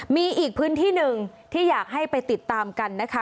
มีอีกพื้นที่หนึ่งที่อยากให้ไปติดตามกันนะคะ